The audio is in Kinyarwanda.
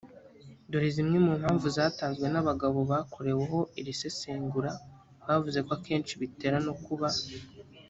Dore zimwe mu mpamvu zatanzwe n’abagabo bakoreweho iri sesengura bavuze ko akenshi bitera no kuba